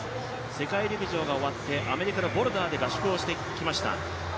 世界陸上が終わってアメリカで合宿をしてきました